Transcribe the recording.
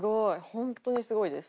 ホントにすごいです。